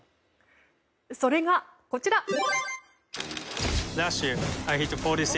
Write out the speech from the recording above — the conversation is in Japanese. それが、こちら。